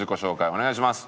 お願いします。